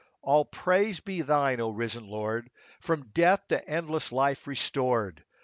All praise be Thine, O risen Lord, From death to endless life restored